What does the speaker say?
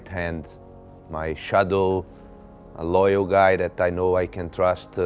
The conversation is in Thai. แต่ก็เป็นคนที่ได้รับทราบและน้องมือที่รับทราบ